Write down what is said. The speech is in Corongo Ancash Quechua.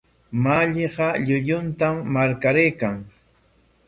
Malliqa llulluntam marqaraykan.